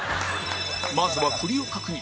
まずは振りを確認